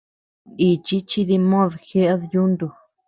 Nichi chi dimod jeʼed yuntu.